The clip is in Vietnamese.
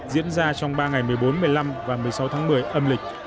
diễn ra trong ba ngày một mươi bốn một mươi năm và một mươi sáu tháng một mươi âm lịch